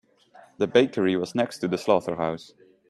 The bakery was next to the slaughterhouse.